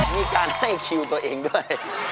มีการให้คิวตัวเองด้วย